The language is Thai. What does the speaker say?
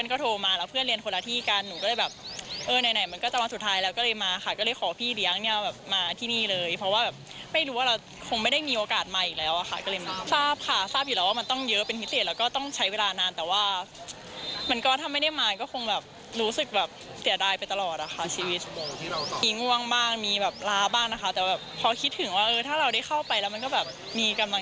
เออไหนมันก็จะมาสุดท้ายแล้วก็เลยมาค่ะก็เลยขอพี่เลี้ยงเนี้ยแบบมาที่นี่เลยเพราะว่าแบบไม่รู้ว่าเราคงไม่ได้มีโอกาสมาอีกแล้วอ่ะค่ะก็เลยมาทราบค่ะทราบอยู่แล้วว่ามันต้องเยอะเป็นพิเศษแล้วก็ต้องใช้เวลานานแต่ว่าเหมือนกันถ้าไม่ได้มาก็คงแบบรู้สึกแบบเสียดายไปตลอดอ่ะค่ะชีวิตมีง่วงบ้างมีแบบล้า